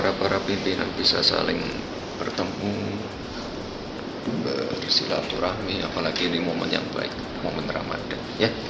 semoga para pimpinan bisa saling bertemu bersilaturahmi apalagi ini momen yang baik momen ramadhan